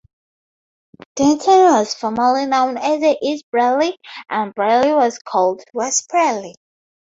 Deighton was formally known as East Bradley, and Bradley was called West Bradley.